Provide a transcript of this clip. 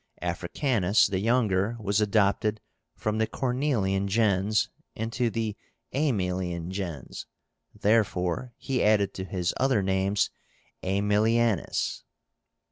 Africánus the younger was adopted from the Cornelian gens into the Aemilian gens; therefore he added to his other names AEMILIÁNUS.